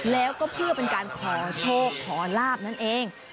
แล้วก็เพื่อเป็นการขอโชคขอลาบนั่นเอง